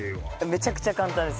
めちゃくちゃ簡単です。